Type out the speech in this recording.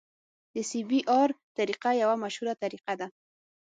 د سی بي ار طریقه یوه مشهوره طریقه ده